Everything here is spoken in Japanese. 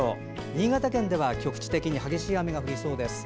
新潟県では局地的に激しい雨が降りそうです。